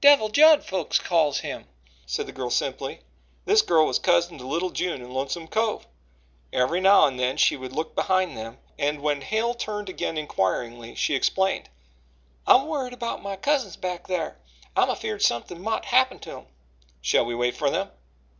Devil Judd, folks calls him," said the girl simply. This girl was cousin to little June in Lonesome Cove. Every now and then she would look behind them, and when Hale turned again inquiringly she explained: "I'm worried about my cousins back thar. I'm afeered somethin' mought happen to 'em." "Shall we wait for them?"